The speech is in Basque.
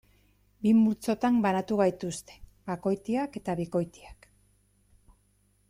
Bi multzotan banatu gaituzte: bakoitiak eta bikoitiak.